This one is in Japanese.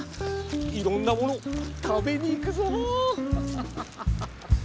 いろんなものを食べにいくぞ！